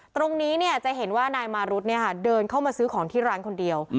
ตรงนี้จะเห็นว่านายมารุธเดินเข้ามาซื้อของที่ร้านคนเดียว